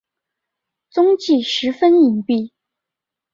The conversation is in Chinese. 踪迹十分隐蔽。